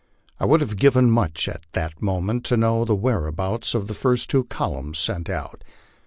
I would have given much at that moment to know the whereabouts of the first two columns sent out.